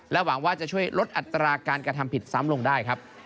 หวังว่าจะช่วยลดอัตราการกระทำผิดซ้ำลงได้ครับ